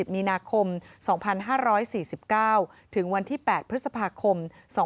มีนาคม๒๕๔๙ถึงวันที่๘พฤษภาคม๒๕๖๒